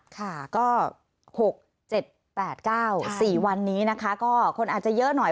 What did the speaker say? ค่ะก็๖๗๘๙๔วันนี้นะคะก็คนอาจจะเยอะหน่อย